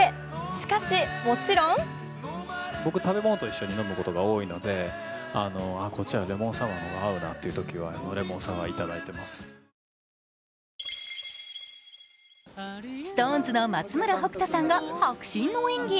しかし、もちろんＳｉｘＴＯＮＥＳの松村北斗さんが迫真の演技。